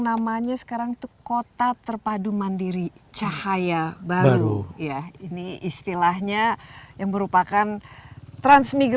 namanya sekarang itu kota terpadu mandiri cahaya baru ya ini istilahnya yang merupakan transmigrasi